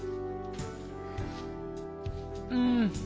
うん！